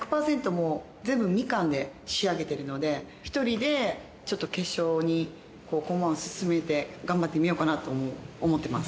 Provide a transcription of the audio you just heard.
もう全部みかんで仕上げてるので１人でちょっと決勝に駒を進めて頑張ってみようかなと思ってます。